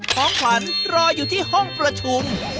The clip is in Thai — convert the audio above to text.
ของขวัญรออยู่ที่ห้องประชุม